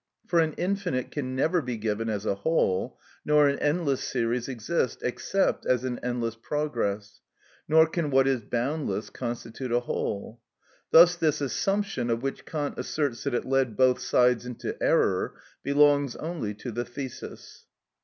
For an infinite can never be given as a whole, nor an endless series exist, except as an endless progress; nor can what is boundless constitute a whole. Thus this assumption, of which Kant asserts that it led both sides into error, belongs only to the thesis.